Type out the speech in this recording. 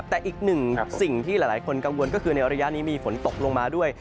แต่อีกหนึ่งสิ่งที่หลายคนกังวลก็คือในระยะนี้มีฝนตกลงมาด้วย